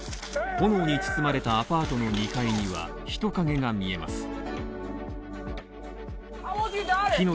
炎に包まれたアパートの２階には人影が見えます。